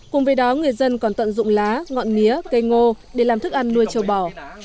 cùng với đó người dân còn tận dụng lá ngọn nến cây ngô để làm thức ăn nuôi trâu bò